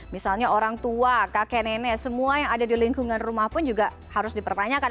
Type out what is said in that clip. misalnya orang tua kakek nenek semua yang ada di lingkungan rumah pun juga harus dipertanyakan